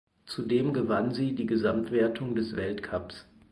Zudem gewann sie die Gesamtwertung des Weltcups.